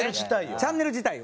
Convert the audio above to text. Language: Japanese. チャンネル自体を。